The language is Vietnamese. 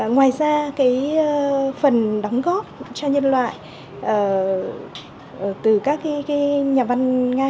ngoài ra cái phần đóng góp cho nhân loại từ các nhà văn nga hiện nay